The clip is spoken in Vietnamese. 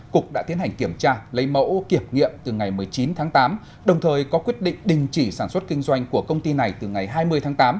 cục đã tiến hành kiểm tra lấy mẫu kiểm nghiệm từ ngày một mươi chín tháng tám đồng thời có quyết định đình chỉ sản xuất kinh doanh của công ty này từ ngày hai mươi tháng tám